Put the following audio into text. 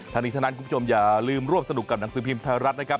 ทั้งนี้ทั้งนั้นคุณผู้ชมอย่าลืมร่วมสนุกกับหนังสือพิมพ์ไทยรัฐนะครับ